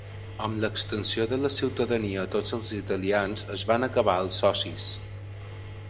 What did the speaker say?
Amb l'extensió de la ciutadania a tots els italians es van acabar els socis.